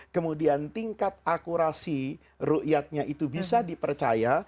kemudian tingkat akurasi ru'iyatnya itu bisa dipercaya